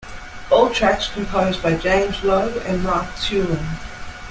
All tracks composed by James Lowe and Mark Tulin.